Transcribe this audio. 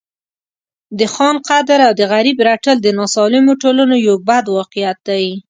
د خان قدر او د غریب رټل د ناسالمو ټولنو یو بد واقعیت دی.